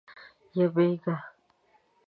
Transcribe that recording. یمېږه.